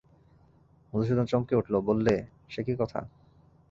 মধুসূদন চমকে উঠল– বললে, সে কী কথা!